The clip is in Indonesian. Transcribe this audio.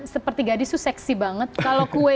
seperti gadis suksesi banget kalau kue